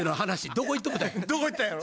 どこ行ったんやろ。